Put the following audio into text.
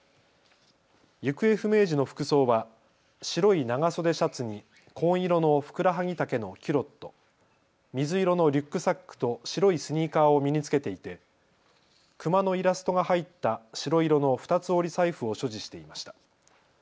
行方不明時の服装は白い長袖シャツに、紺色のふくらはぎ丈のキュロット、水色のリュックサックと白いスニーカーを身に着けていて熊のイラストが入った白色の二つ折り財布を所持していました。